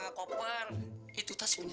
siapa punya siapa